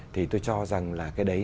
thì tôi cho rằng là cái đấy